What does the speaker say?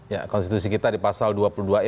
ya konstitusi kita di pasal dua puluh dua e